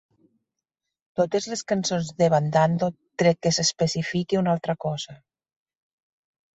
Totes les cançons d'Evan Dando, tret que s'especifiqui una altra cosa.